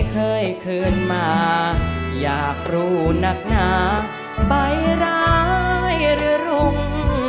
เคยคืนมาอยากรู้นักหนาใบร้ายหรือรุม